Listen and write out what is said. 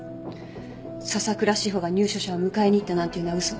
笹倉志帆が入所者を迎えに行ったなんていうのは嘘。